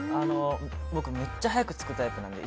僕、めっちゃ早く着くタイプで。